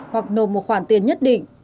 hoặc nộp một khoản tiền nhất định